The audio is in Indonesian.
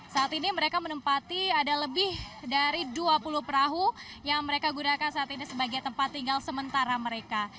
saat ini mereka menempati ada lebih dari dua puluh perahu yang mereka gunakan saat ini sebagai tempat tinggal sementara mereka